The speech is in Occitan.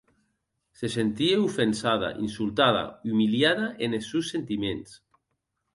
Se sentie ofensada, insultada, umiliada enes sòns sentiments.